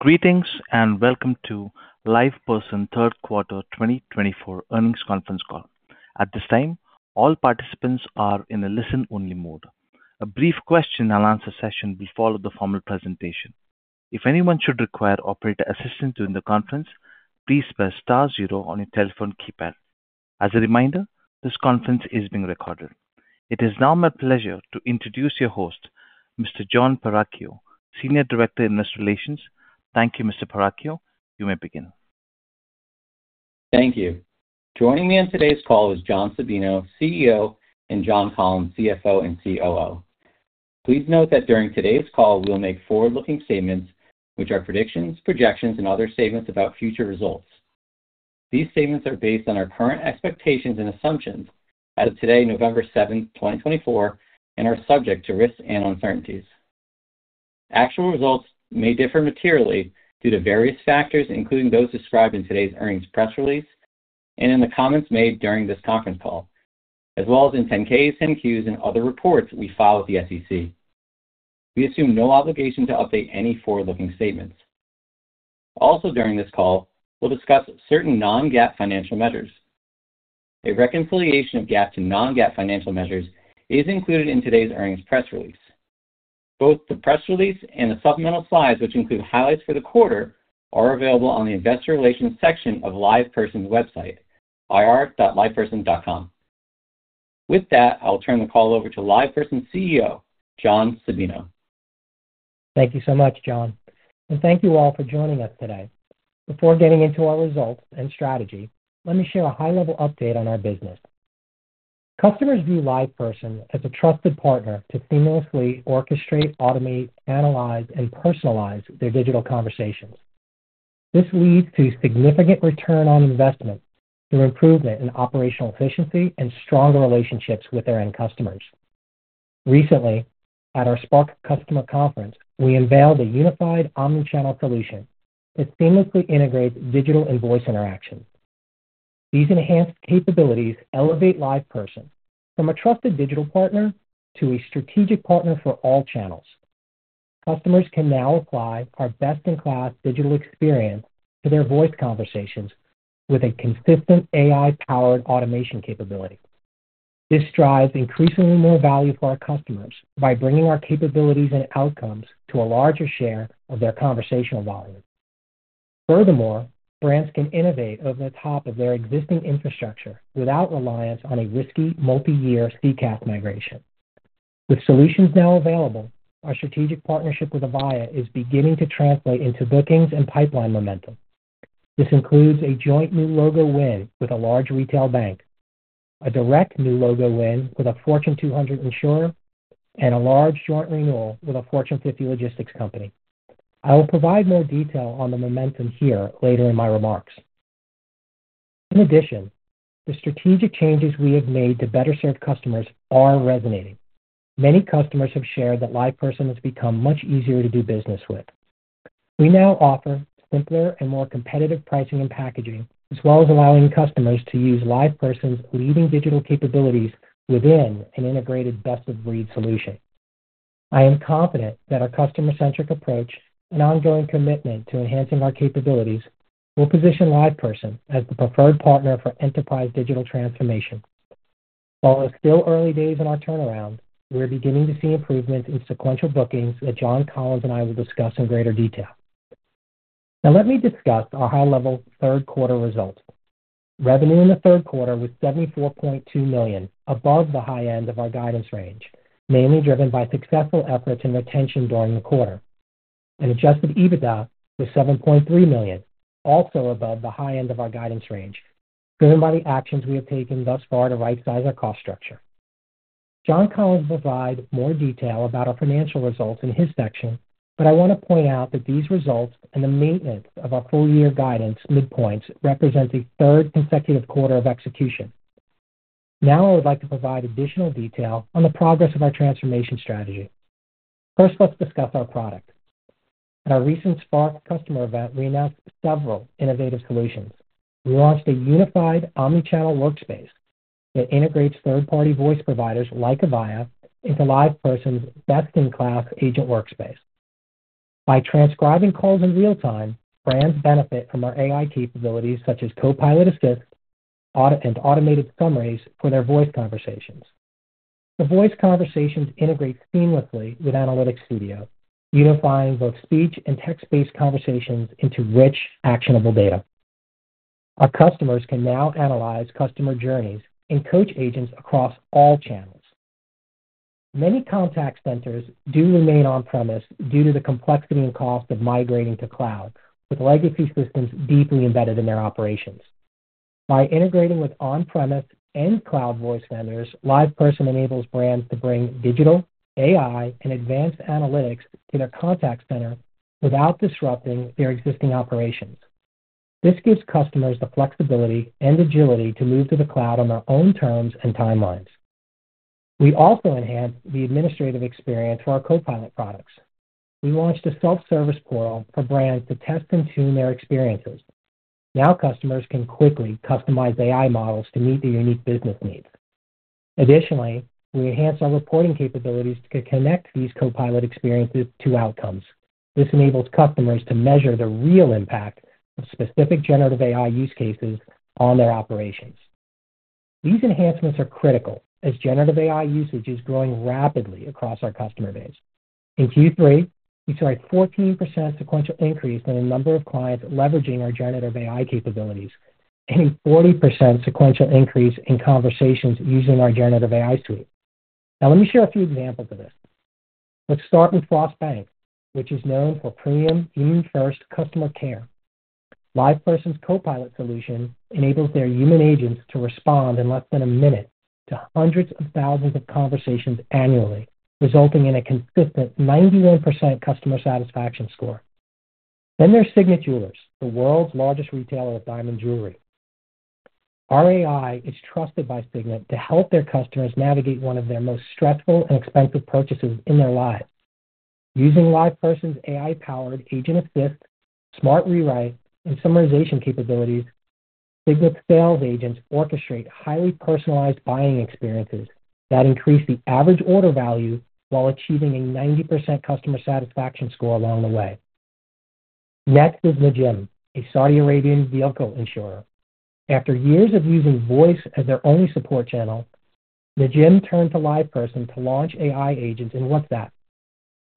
Greetings and welcome to LivePerson Q3 2024 earnings conference call. At this time, all participants are in a listen-only mode. A brief question-and-answer session will follow the formal presentation. If anyone should require operator assistance during the conference, please press star zero on your telephone keypad. As a reminder, this conference is being recorded. It is now my pleasure to introduce your host, Mr. Jon Perachio, Senior Director of Investor Relations. Thank you, Mr. Perachio. You may begin. Thank you. Joining me on today's call is John Sabino, CEO, and John Collins, CFO and COO. Please note that during today's call, we will make forward-looking statements, which are predictions, projections, and other statements about future results. These statements are based on our current expectations and assumptions as of today, November 7, 2024, and are subject to risks and uncertainties. Actual results may differ materially due to various factors, including those described in today's earnings press release and in the comments made during this conference call, as well as in 10-Ks, 10-Qs, and other reports we file with the SEC. We assume no obligation to update any forward-looking statements. Also, during this call, we'll discuss certain non-GAAP financial measures. A reconciliation of GAAP to non-GAAP financial measures is included in today's earnings press release. Both the press release and the supplemental slides, which include highlights for the quarter, are available on the Investor Relations section of LivePerson's website, ir.liveperson.com. With that, I'll turn the call over to LivePerson CEO, John Sabino. Thank you so much, Jon, and thank you all for joining us today. Before getting into our results and strategy, let me share a high-level update on our business. Customers view LivePerson as a trusted partner to seamlessly orchestrate, automate, analyze, and personalize their digital conversations. This leads to significant return on investment through improvement in operational efficiency and stronger relationships with their end customers. Recently, at our Spark Customer Conference, we unveiled a unified omnichannel solution that seamlessly integrates digital invoice interactions. These enhanced capabilities elevate LivePerson from a trusted digital partner to a strategic partner for all channels. Customers can now apply our best-in-class digital experience to their voice conversations with a consistent AI-powered automation capability. This drives increasingly more value for our customers by bringing our capabilities and outcomes to a larger share of their conversational volume. Furthermore, brands can innovate over the top of their existing infrastructure without reliance on a risky multi-year CCaaS migration. With solutions now available, our strategic partnership with Avaya is beginning to translate into bookings and pipeline momentum. This includes a joint new logo win with a large retail bank, a direct new logo win with a Fortune 200 insurer, and a large joint renewal with a Fortune 50 logistics company. I will provide more detail on the momentum here later in my remarks. In addition, the strategic changes we have made to better serve customers are resonating. Many customers have shared that LivePerson has become much easier to do business with. We now offer simpler and more competitive pricing and packaging, as well as allowing customers to use LivePerson's leading digital capabilities within an integrated best-of-breed solution. I am confident that our customer-centric approach and ongoing commitment to enhancing our capabilities will position LivePerson as the preferred partner for enterprise digital transformation. While it's still early days in our turnaround, we're beginning to see improvements in sequential bookings that John Collins and I will discuss in greater detail. Now, let me discuss our high-level Q3 results. Revenue in Q3 was $74.2 million, above the high end of our guidance range, mainly driven by successful efforts and retention during the quarter. And Adjusted EBITDA was $7.3 million, also above the high end of our guidance range, driven by the actions we have taken thus far to right-size our cost structure. John Collins will provide more detail about our financial results in his section, but I want to point out that these results and the maintenance of our full-year guidance midpoints represent the third consecutive quarter of execution. Now, I would like to provide additional detail on the progress of our transformation strategy. First, let's discuss our product. At our recent Spark Customer Event, we announced several innovative solutions. We launched a Unified Omnichannel Workspace that integrates third-party voice providers like Avaya into LivePerson's best-in-class Agent Workspace. By transcribing calls in real time, brands benefit from our AI capabilities, such as Copilot Assist and automated summaries for their voice conversations. The voice conversations integrate seamlessly with Analytics Studio, unifying both speech and text-based conversations into rich, actionable data. Our customers can now analyze customer journeys and coach agents across all channels. Many contact centers do remain on-premise due to the complexity and cost of migrating to cloud, with legacy systems deeply embedded in their operations. By integrating with on-premise and cloud voice vendors, LivePerson enables brands to bring digital, AI, and advanced analytics to their contact center without disrupting their existing operations. This gives customers the flexibility and agility to move to the cloud on their own terms and timelines. We also enhanced the administrative experience for our Copilot products. We launched a self-service portal for brands to test and tune their experiences. Now, customers can quickly customize AI models to meet their unique business needs. Additionally, we enhanced our reporting capabilities to connect these Copilot experiences to outcomes. This enables customers to measure the real impact of specific generative AI use cases on their operations. These enhancements are critical as generative AI usage is growing rapidly across our customer base. In Q3, we saw a 14% sequential increase in the number of clients leveraging our generative AI capabilities, and a 40% sequential increase in conversations using our Generative AI Suite. Now, let me share a few examples of this. Let's start with Frost Bank, which is known for premium, human-first customer care. LivePerson's Copilot solution enables their human agents to respond in less than a minute to hundreds of thousands of conversations annually, resulting in a consistent 91% customer satisfaction score. Then there's Signet Jewelers, the world's largest retailer of diamond jewelry. Our AI is trusted by Signet to help their customers navigate one of their most stressful and expensive purchases in their lives. Using LivePerson's AI-powered Agent Assist, Smart Rewrite, and Summarization capabilities, Signet's sales agents orchestrate highly personalized buying experiences that increase the average order value while achieving a 90% customer satisfaction score along the way. Next is Najm, a Saudi Arabian vehicle insurer. After years of using voice as their only support channel, Najm turned to LivePerson to launch AI agents in WhatsApp.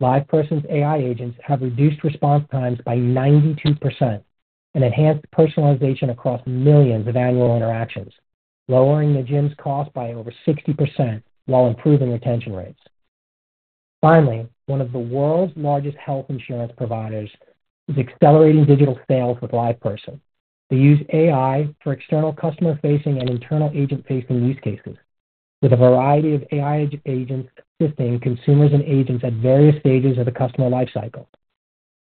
LivePerson's AI agents have reduced response times by 92% and enhanced personalization across millions of annual interactions, lowering Najm's cost by over 60% while improving retention rates. Finally, one of the world's largest health insurance providers is accelerating digital sales with LivePerson. They use AI for external customer-facing and internal agent-facing use cases, with a variety of AI agents assisting consumers and agents at various stages of the customer lifecycle.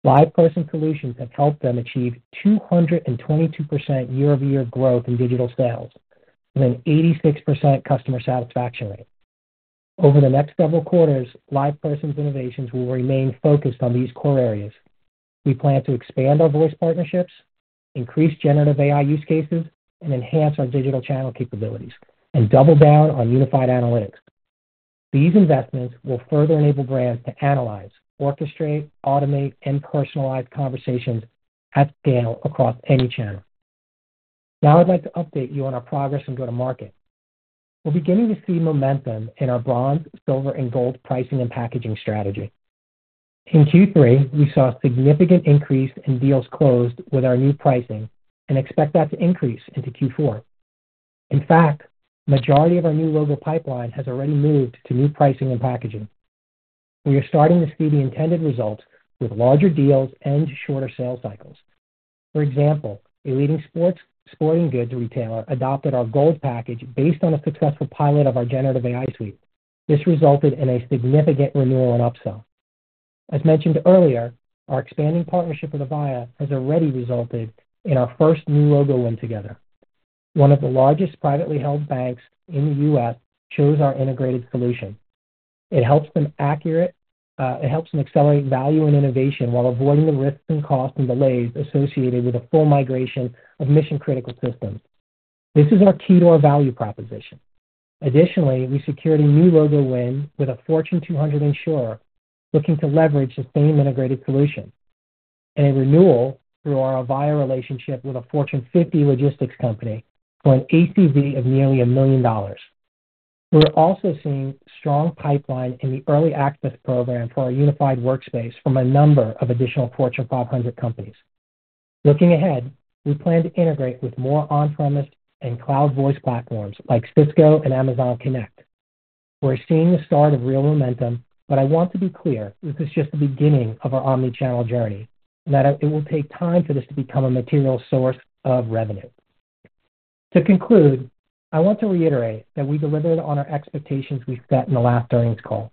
LivePerson's solutions have helped them achieve 222% year-over-year growth in digital sales, with an 86% customer satisfaction rate. Over the next several quarters, LivePerson's innovations will remain focused on these core areas. We plan to expand our voice partnerships, increase generative AI use cases, and enhance our digital channel capabilities, and double down on unified analytics. These investments will further enable brands to analyze, orchestrate, automate, and personalize conversations at scale across any channel. Now, I'd like to update you on our progress in go-to-market. We're beginning to see momentum in our Bronze, Silver, and Gold pricing and packaging strategy. In Q3, we saw a significant increase in deals closed with our new pricing and expect that to increase into Q4. In fact, the majority of our new logo pipeline has already moved to new pricing and packaging. We are starting to see the intended results with larger deals and shorter sales cycles. For example, a leading sporting goods retailer adopted our Gold package based on a successful pilot of our Generative AI Suite. This resulted in a significant renewal and upsell. As mentioned earlier, our expanding partnership with Avaya has already resulted in our first new logo win together. One of the largest privately held banks in the U.S. chose our integrated solution. It helps them accelerate value and innovation while avoiding the risks and costs and delays associated with a full migration of mission-critical systems. This is our key to our value proposition. Additionally, we secured a new logo win with a Fortune 200 insurer looking to leverage the same integrated solution, and a renewal through our Avaya relationship with a Fortune 50 logistics company for an ACV of nearly $1 million. We're also seeing strong pipeline in the early access program for our unified workspace from a number of additional Fortune 500 companies. Looking ahead, we plan to integrate with more on-premise and cloud voice platforms like Cisco and Amazon Connect. We're seeing the start of real momentum, but I want to be clear that this is just the beginning of our omnichannel journey and that it will take time for this to become a material source of revenue. To conclude, I want to reiterate that we delivered on our expectations we set in the last earnings call.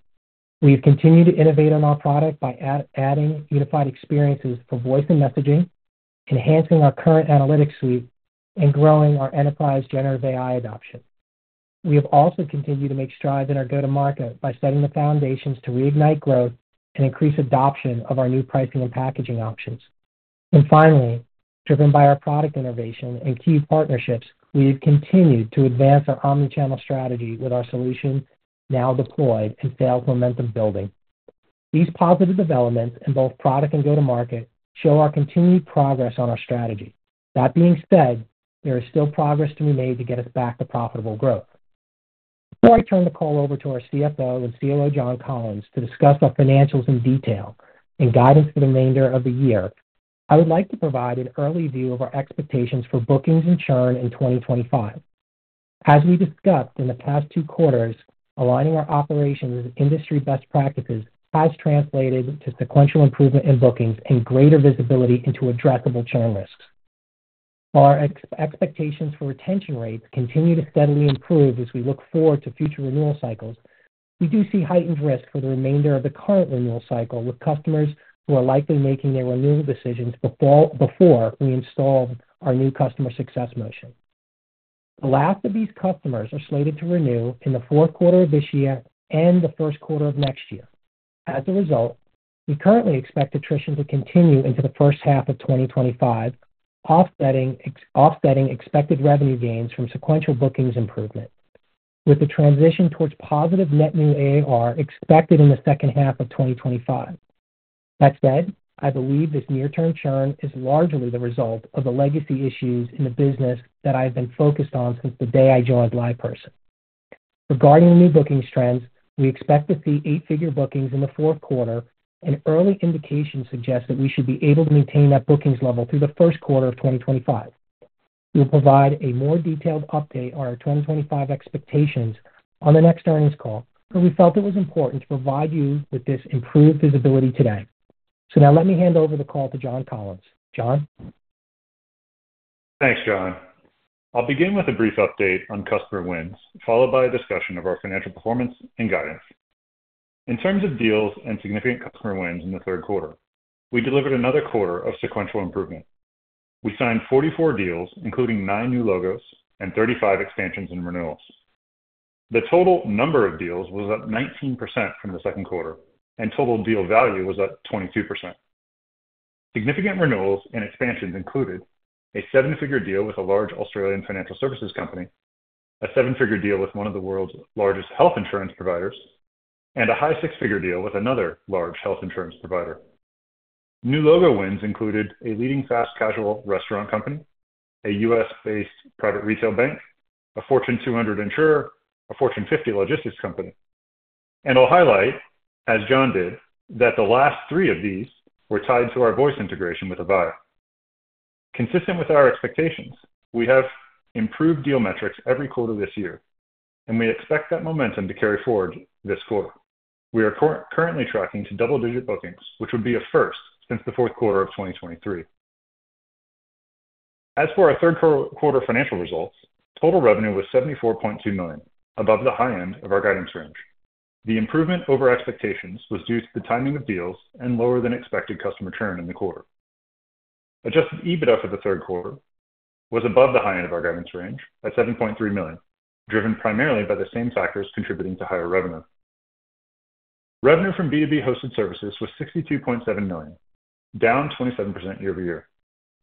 We have continued to innovate on our product by adding unified experiences for voice and messaging, enhancing our current analytics suite, and growing our enterprise generative AI adoption. We have also continued to make strides in our go-to-market by setting the foundations to reignite growth and increase adoption of our new pricing and packaging options. And finally, driven by our product innovation and key partnerships, we have continued to advance our omnichannel strategy with our solution now deployed and sales momentum building. These positive developments in both product and go-to-market show our continued progress on our strategy. That being said, there is still progress to be made to get us back to profitable growth. Before I turn the call over to our CFO and COO, John Collins, to discuss our financials in detail and guidance for the remainder of the year, I would like to provide an early view of our expectations for bookings and churn in 2025. As we discussed in the past two quarters, aligning our operations with industry best practices has translated to sequential improvement in bookings and greater visibility into addressable churn risks. While our expectations for retention rates continue to steadily improve as we look forward to future renewal cycles, we do see heightened risk for the remainder of the current renewal cycle with customers who are likely making their renewal decisions before we install our new customer success motion. The last of these customers are slated to renew in the fourth quarter of this year and the first quarter of next year. As a result, we currently expect attrition to continue into the first half of 2025, offsetting expected revenue gains from sequential bookings improvement, with the transition towards positive net new ARR expected in the second half of 2025. That said, I believe this near-term churn is largely the result of the legacy issues in the business that I have been focused on since the day I joined LivePerson. Regarding new bookings trends, we expect to see eight-figure bookings in the fourth quarter, and early indications suggest that we should be able to maintain that bookings level through the first quarter of 2025. We'll provide a more detailed update on our 2025 expectations on the next earnings call, but we felt it was important to provide you with this improved visibility today. So now, let me hand over the call to John Collins. John? Thanks, John. I'll begin with a brief update on customer wins, followed by a discussion of our financial performance and guidance. In terms of deals and significant customer wins in the third quarter, we delivered another quarter of sequential improvement. We signed 44 deals, including nine new logos and 35 expansions and renewals. The total number of deals was up 19% from the second quarter, and total deal value was up 22%. Significant renewals and expansions included a seven-figure deal with a large Australian financial services company, a seven-figure deal with one of the world's largest health insurance providers, and a high six-figure deal with another large health insurance provider. New logo wins included a leading fast casual restaurant company, a U.S.-based private retail bank, a Fortune 200 insurer, a Fortune 50 logistics company, and I'll highlight, as John did, that the last three of these were tied to our voice integration with Avaya. Consistent with our expectations, we have improved deal metrics every quarter this year, and we expect that momentum to carry forward this quarter. We are currently tracking two double-digit bookings, which would be a first since the fourth quarter of 2023. As for our third quarter financial results, total revenue was $74.2 million, above the high end of our guidance range. The improvement over expectations was due to the timing of deals and lower-than-expected customer churn in the quarter. Adjusted EBITDA for the third quarter was above the high end of our guidance range at $7.3 million, driven primarily by the same factors contributing to higher revenue. Revenue from B2B hosted services was $62.7 million, down 27% year-over-year.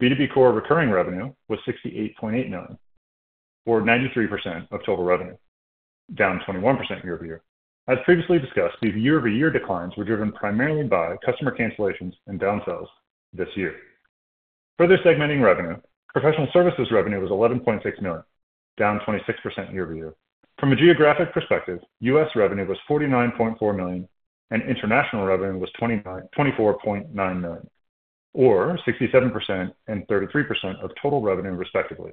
B2B Core Recurring Revenue was $68.8 million, or 93% of total revenue, down 21% year-over-year. As previously discussed, these year-over-year declines were driven primarily by customer cancellations and downsells this year. Further segmenting revenue, professional services revenue was $11.6 million, down 26% year-over-year. From a geographic perspective, U.S. revenue was $49.4 million, and international revenue was $24.9 million, or 67% and 33% of total revenue, respectively.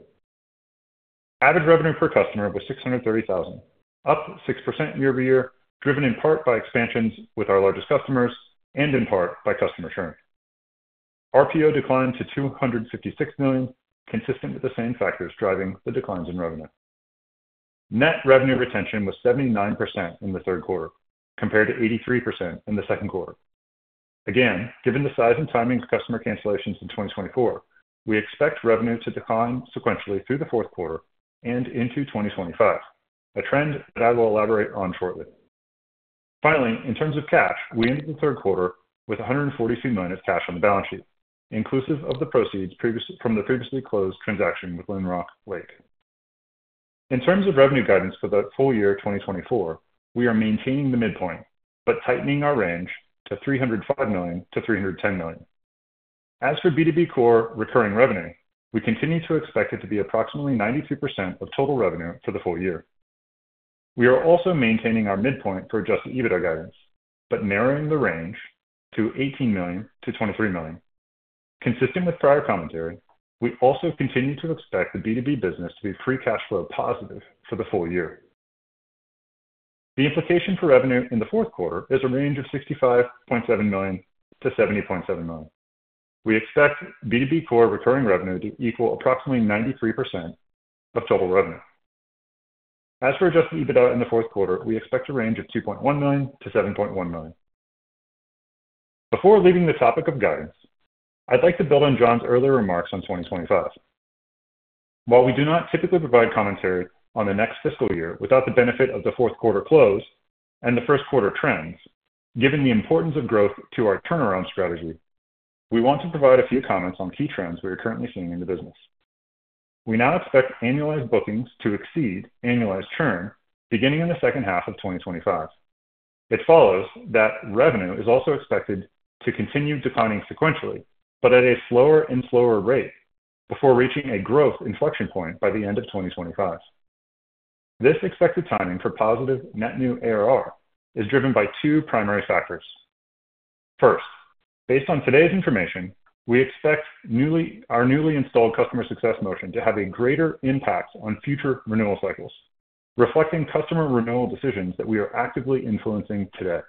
Average revenue per customer was $630,000, up 6% year-over-year, driven in part by expansions with our largest customers and in part by customer churn. RPO declined to $256 million, consistent with the same factors driving the declines in revenue. Net revenue retention was 79% in the third quarter, compared to 83% in the second quarter. Again, given the size and timing of customer cancellations in 2024, we expect revenue to decline sequentially through the fourth quarter and into 2025, a trend that I will elaborate on shortly. Finally, in terms of cash, we ended the third quarter with $142 million of cash on the balance sheet, inclusive of the proceeds from the previously closed transaction with Lynrock Lake. In terms of revenue guidance for the full year 2024, we are maintaining the midpoint but tightening our range to $305 million-$310 million. As for B2B Core Recurring Revenue, we continue to expect it to be approximately 92% of total revenue for the full year. We are also maintaining our midpoint for adjusted EBITDA guidance, but narrowing the range to $18 million-$23 million. Consistent with prior commentary, we also continue to expect the B2B business to be free cash flow positive for the full year. The implication for revenue in the fourth quarter is a range of $65.7 million-$70.7 million. We expect B2B Core Recurring Revenue to equal approximately 93% of total revenue. As for adjusted EBITDA in the fourth quarter, we expect a range of $2.1 million-$7.1 million. Before leaving the topic of guidance, I'd like to build on John's earlier remarks on 2025. While we do not typically provide commentary on the next fiscal year without the benefit of the fourth quarter close and the first quarter trends, given the importance of growth to our turnaround strategy, we want to provide a few comments on key trends we are currently seeing in the business. We now expect annualized bookings to exceed annualized churn beginning in the second half of 2025. It follows that revenue is also expected to continue declining sequentially, but at a slower and slower rate before reaching a growth inflection point by the end of 2025. This expected timing for positive net new ARR is driven by two primary factors. First, based on today's information, we expect our newly installed customer success motion to have a greater impact on future renewal cycles, reflecting customer renewal decisions that we are actively influencing today.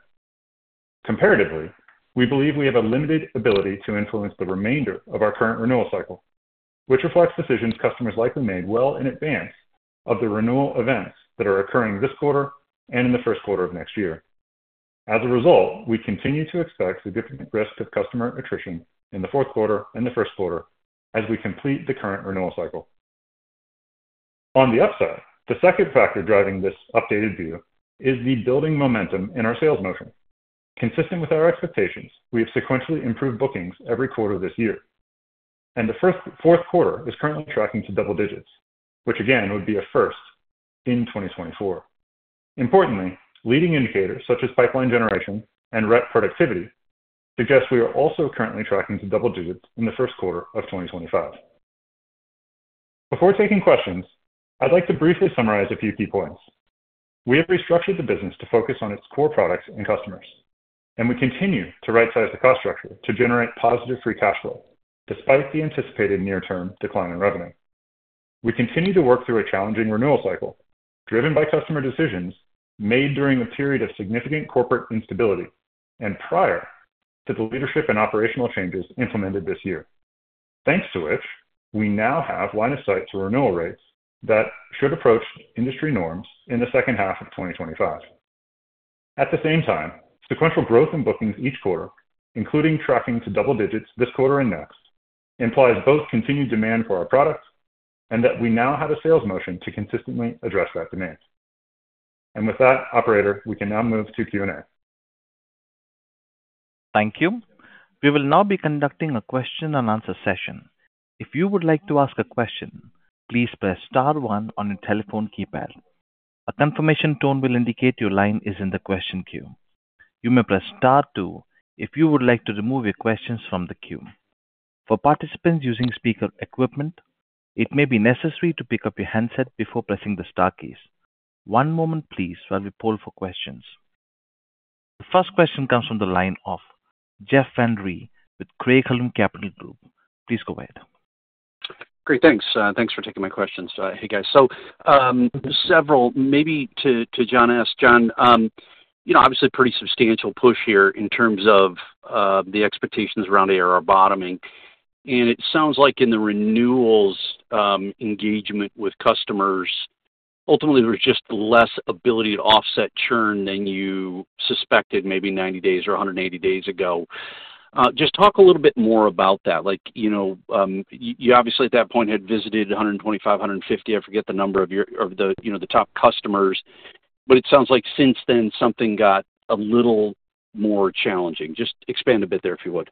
Comparatively, we believe we have a limited ability to influence the remainder of our current renewal cycle, which reflects decisions customers likely made well in advance of the renewal events that are occurring this quarter and in the first quarter of next year. As a result, we continue to expect significant risk of customer attrition in the fourth quarter and the first quarter as we complete the current renewal cycle. On the upside, the second factor driving this updated view is the building momentum in our sales motion. Consistent with our expectations, we have sequentially improved bookings every quarter this year, and the fourth quarter is currently tracking to double digits, which again would be a first in 2024. Importantly, leading indicators such as pipeline generation and rep productivity suggest we are also currently tracking to double digits in the first quarter of 2025. Before taking questions, I'd like to briefly summarize a few key points. We have restructured the business to focus on its core products and customers, and we continue to right-size the cost structure to generate positive free cash flow despite the anticipated near-term decline in revenue. We continue to work through a challenging renewal cycle driven by customer decisions made during a period of significant corporate instability and prior to the leadership and operational changes implemented this year, thanks to which we now have line of sight to renewal rates that should approach industry norms in the second half of 2025. At the same time, sequential growth in bookings each quarter, including tracking to double digits this quarter and next, implies both continued demand for our product and that we now have a sales motion to consistently address that demand. And with that, Operator, we can now move to Q&A. Thank you. We will now be conducting a question-and-answer session. If you would like to ask a question, please press star one on your telephone keypad. A confirmation tone will indicate your line is in the question queue. You may press star two if you would like to remove your questions from the queue. For participants using speaker equipment, it may be necessary to pick up your handset before pressing the star keys. One moment, please, while we poll for questions. The first question comes from the line of Jeff Van Rhee with Craig-Hallum Capital Group. Please go ahead. Great. Thanks. Thanks for taking my questions. Hey, guys. So several, maybe to John, ask John, obviously a pretty substantial push here in terms of the expectations around ARR bottoming. And it sounds like in the renewals engagement with customers, ultimately, there was just less ability to offset churn than you suspected maybe 90 days or 180 days ago. Just talk a little bit more about that. You obviously, at that point, had visited 125, 150, I forget the number of the top customers, but it sounds like since then something got a little more challenging. Just expand a bit there, if you would.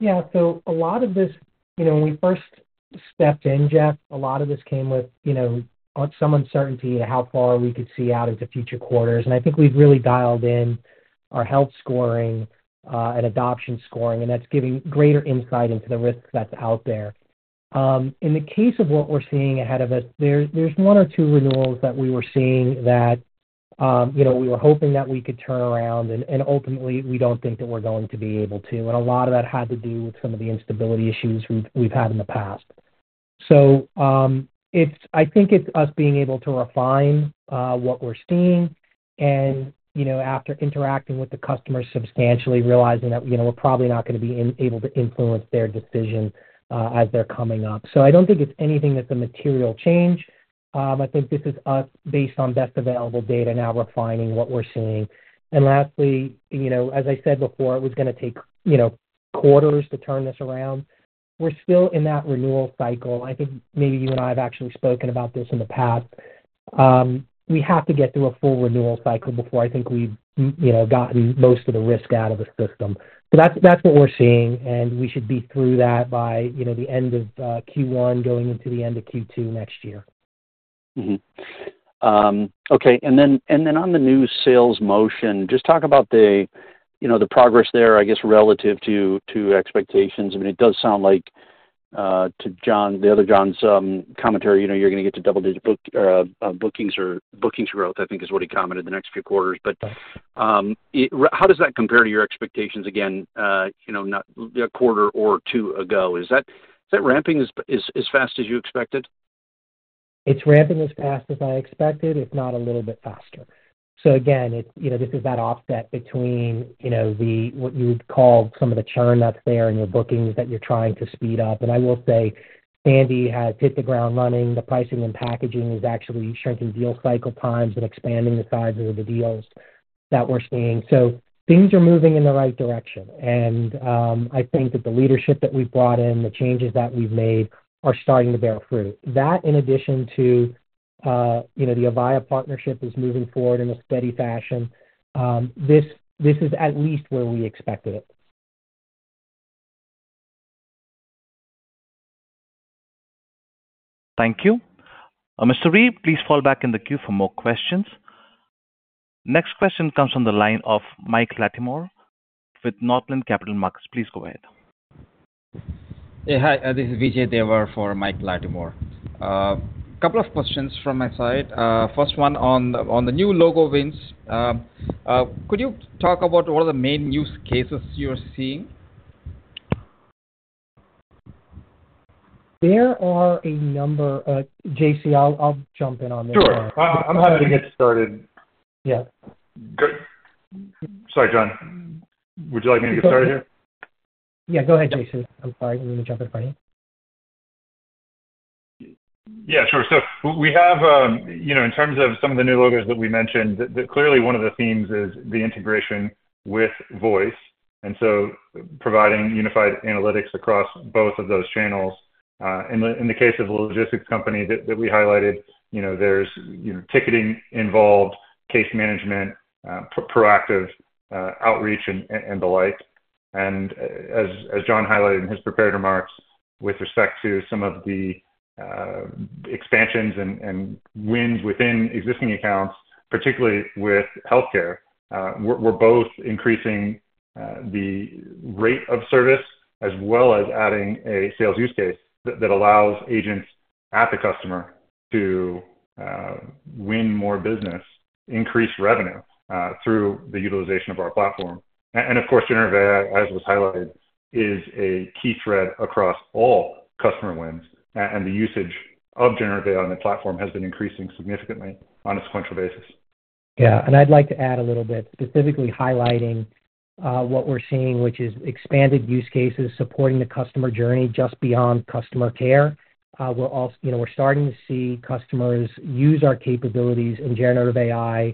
Yeah. So a lot of this when we first stepped in, Jeff, a lot of this came with some uncertainty of how far we could see out into future quarters. And I think we've really dialed in our health scoring and adoption scoring, and that's giving greater insight into the risk that's out there. In the case of what we're seeing ahead of us, there's one or two renewals that we were seeing that we were hoping that we could turn around, and ultimately, we don't think that we're going to be able to. And a lot of that had to do with some of the instability issues we've had in the past. So I think it's us being able to refine what we're seeing and after interacting with the customers substantially, realizing that we're probably not going to be able to influence their decision as they're coming up. So I don't think it's anything that's a material change. I think this is us, based on best available data, now refining what we're seeing. And lastly, as I said before, it was going to take quarters to turn this around. We're still in that renewal cycle. I think maybe you and I have actually spoken about this in the past. We have to get through a full renewal cycle before I think we've gotten most of the risk out of the system. So that's what we're seeing, and we should be through that by the end of Q1, going into the end of Q2 next year. Okay. And then on the new sales motion, just talk about the progress there, I guess, relative to expectations. I mean, it does sound like to John, the other John's commentary, you're going to get to double-digit bookings or bookings growth, I think, is what he commented the next few quarters. But how does that compare to your expectations again a quarter or two ago? Is that ramping as fast as you expected? It's ramping as fast as I expected, if not a little bit faster. So again, this is that offset between what you would call some of the churn that's there and your bookings that you're trying to speed up. And I will say, Andy has hit the ground running. The pricing and packaging is actually shrinking deal cycle times and expanding the sizes of the deals that we're seeing. So things are moving in the right direction. And I think that the leadership that we've brought in, the changes that we've made, are starting to bear fruit. That, in addition to the Avaya partnership, is moving forward in a steady fashion. This is at least where we expected it. Thank you. Mr. Rhee, please fall back in the queue for more questions. Next question comes from the line of Mike Latimore with Northland Capital Markets. Please go ahead. Hey, hi. This is Vijay Devar for Mike Latimore. A couple of questions from my side. First one on the new logo wins. Could you talk about what are the main use cases you're seeing? There are a number. JC, I'll jump in on this. Sure. I'm happy to get started. Yeah. Sorry, John. Would you like me to get started here? Yeah. Go ahead, JC. I'm sorry. Let me jump in for you. Yeah. Sure. So we have, in terms of some of the new logos that we mentioned, that clearly one of the themes is the integration with voice, and so providing unified analytics across both of those channels. In the case of the logistics company that we highlighted, there's ticketing involved, case management, proactive outreach, and the like. As John highlighted in his prepared remarks with respect to some of the expansions and wins within existing accounts, particularly with healthcare, we're both increasing the rate of service as well as adding a sales use case that allows agents at the customer to win more business, increase revenue through the utilization of our platform. Of course, generative AI, as was highlighted, is a key thread across all customer wins, and the usage of generative AI on the platform has been increasing significantly on a sequential basis. Yeah. I'd like to add a little bit, specifically highlighting what we're seeing, which is expanded use cases supporting the customer journey just beyond customer care. We're starting to see customers use our capabilities in generative AI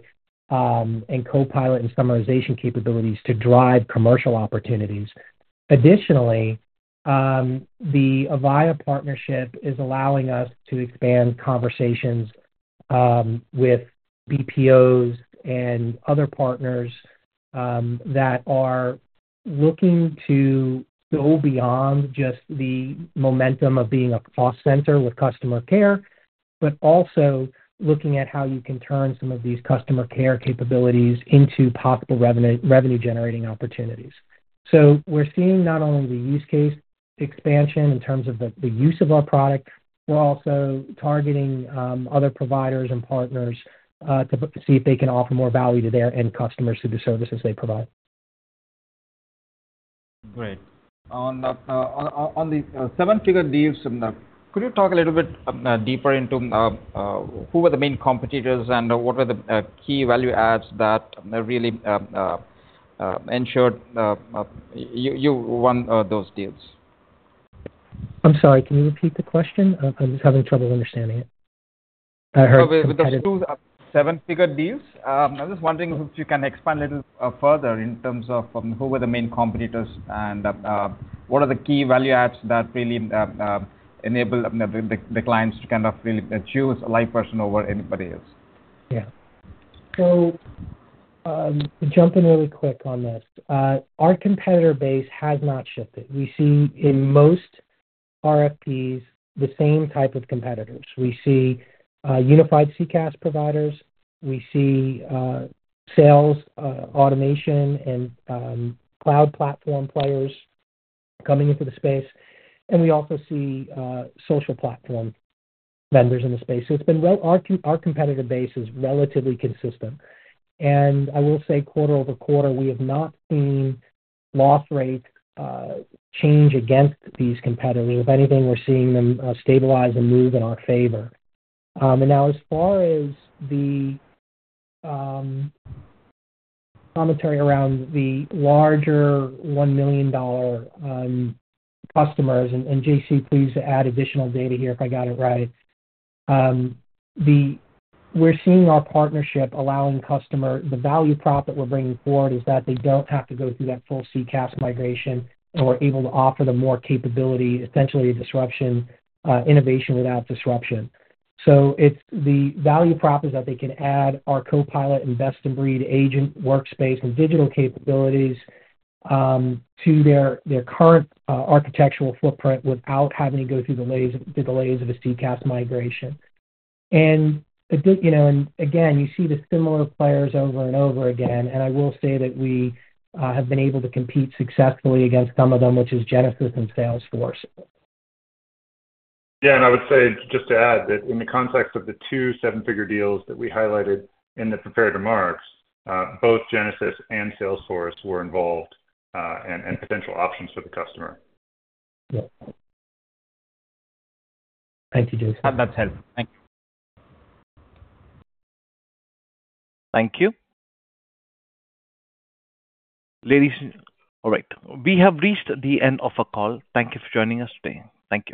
and Copilot and summarization capabilities to drive commercial opportunities. Additionally, the Avaya partnership is allowing us to expand conversations with BPOs and other partners that are looking to go beyond just the momentum of being a cost center with customer care, but also looking at how you can turn some of these customer care capabilities into possible revenue-generating opportunities. So we're seeing not only the use case expansion in terms of the use of our product, we're also targeting other providers and partners to see if they can offer more value to their end customers through the services they provide. Great. On the seven-figure deals, could you talk a little bit deeper into who were the main competitors and what were the key value adds that really ensured you won those deals? I'm sorry. Can you repeat the question? I'm just having trouble understanding it. I heard that. With those seven-figure deals, I was just wondering if you can expand a little further in terms of who were the main competitors and what are the key value adds that really enabled the clients to kind of really choose LivePerson over anybody else? Yeah. So to jump in really quick on this, our competitor base has not shifted. We see in most RFPs the same type of competitors. We see unified CCaaS providers. We see sales automation and cloud platform players coming into the space. And we also see social platform vendors in the space. So our competitor base is relatively consistent. And I will say quarter over quarter, we have not seen loss rate change against these competitors. If anything, we're seeing them stabilize and move in our favor. And now, as far as the commentary around the larger $1 million customers, and JC, please add additional data here if I got it right. We're seeing our partnership allowing customers the value prop that we're bringing forward is that they don't have to go through that full CCaaS migration, and we're able to offer them more capability, essentially a disruption, innovation without disruption. So the value prop is that they can add our Copilot and best-in-breed Agent Workspace and digital capabilities to their current architectural footprint without having to go through the layers of a CCaaS migration. And again, you see the similar players over and over again. And I will say that we have been able to compete successfully against some of them, which is Genesys and Salesforce. Yeah. And I would say just to add that in the context of the two seven-figure deals that we highlighted in the prepared remarks, both Genesys and Salesforce were involved and potential options for the customer. Thank you, JC. That's it. Thank you. Thank you. Ladies and gentlemen, all right. We have reached the end of our call. Thank you for joining us today. Thank you.